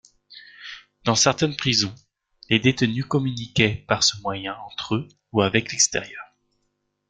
Dans certaines prisons, les détenus communiquaient par ce moyen entre eux ou avec l’extérieur.